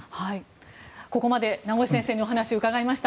ここまで名越先生にお話を伺いました。